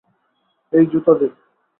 এই, জুতা দে।